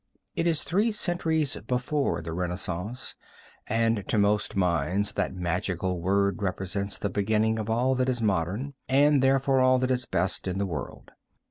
It is three centuries before the Renaissance, and to most minds that magical word represents the beginning of all that is modern, and therefore all that is best, in the world.